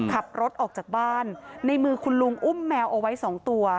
ขับรถออกจากบ้านในมือคุณลุงอุ้มแมวเอาไว้สองตัว